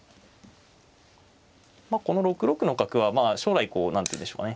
まあこの６六の角は将来こう何ていうんでしょうかね